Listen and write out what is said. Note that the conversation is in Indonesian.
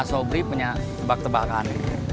sobri punya tebak tebakan